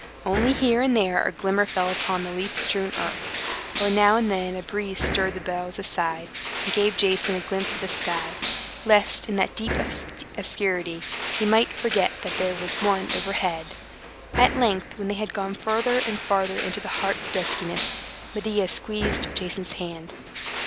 Only here and there a glimmer fell upon the leaf strewn earth, or now and then a breeze stirred the boughs aside, and gave Jason a glimpse of the sky, lest, in that deep obscurity, he might forget that there was one, overhead. At length, when they had gone farther and farther into the heart of the duskiness, Medea squeezed Jason's hand.